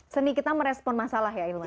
seni kita merespon masalah ya hilman